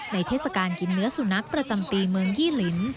เทศกาลกินเนื้อสุนัขประจำปีเมืองยี่ลิ้น